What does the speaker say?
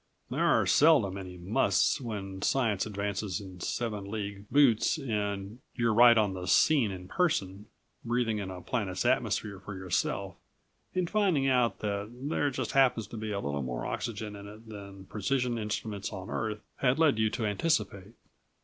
There are seldom any musts when science advances in seven league boots and you're right on the scene in person, breathing in a planet's atmosphere for yourself and finding out that there just happens to be a little more oxygen in it than precision instruments on Earth had led you to anticipate.